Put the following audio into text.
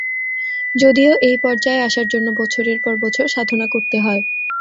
যদিও এই পর্যায়ে আসার জন্য বছরের পর বছর সাধনা করতে হয়।